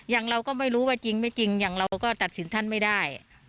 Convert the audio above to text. อย่างเราก็ไม่รู้ว่าจริงไม่จริงอย่างเราก็ตัดสินท่านไม่ได้